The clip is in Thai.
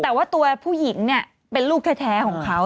แต่ว่าตัวผู้หญิงเนี่ยเป็นลูกแท้ของเขา